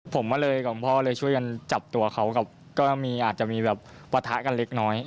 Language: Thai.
ผมมาเลยกับพ่อเลยช่วยกันจับตัวเขาก็มีอาจจะมีแบบปะทะกันเล็กน้อย